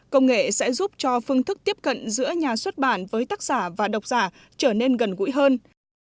công nghệ sẽ giúp cho phương thức tiếp cận giữa nhà xuất bản với tác giả và đọc giả trở nên gần gũi hơn